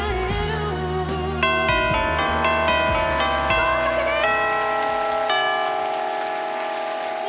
合格です！